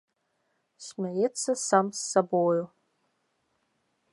Смяецца сам з сабою.